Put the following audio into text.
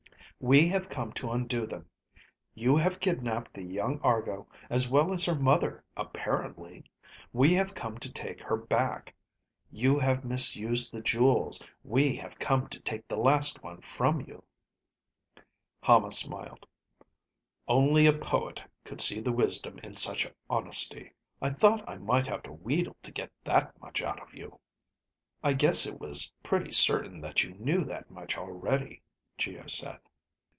"We have come to undo them. You have kidnaped the young Argo, as well as her mother apparently. We have come to take her back. You have misused the jewels. We have come to take the last one from you." Hama smiled. "Only a poet could see the wisdom in such honesty. I thought I might have to wheedle to get that much out of you." "I guess it was pretty certain that you knew that much already," Geo said.